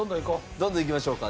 どんどんいきましょうか。